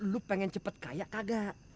lo pengen cepet kaya kagak